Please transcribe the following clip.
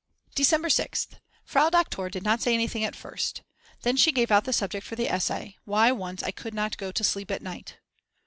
December 6th. Frau Doktor did not say anything at first. Then she gave out the subject for the essay: "Why once I could not go to sleep at night."